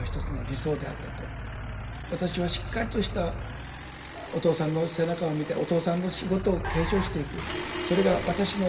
私はしっかりとしたお父さんの背中を見てお父さんの仕事を継承していくそれが私の目標ですと。